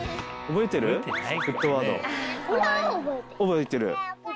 覚えてる。